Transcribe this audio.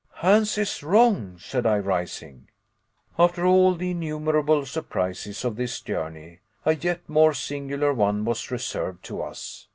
"Hans is wrong," said I, rising. After all the innumerable surprises of this journey, a yet more singular one was reserved to us.